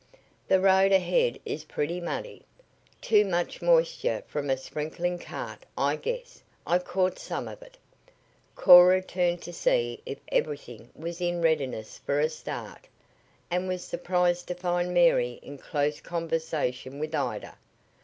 The road ahead is pretty muddy. Too much moisture from a sprinkling cart, I guess. I caught some of it." Cora turned to see if everything was in readiness for a start, and was surprised to find Mary in close conversation with Ida.